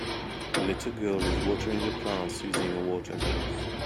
A little girl is watering the plants using a water hose.